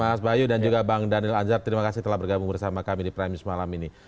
mas bayu dan juga bang daniel anzar terima kasih telah bergabung bersama kami di prime news malam ini